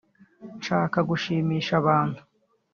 nshaka gushimisha abantu